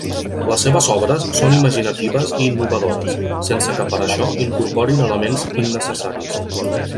Les seves obres són imaginatives i innovadores, sense que per això incorporin elements innecessaris.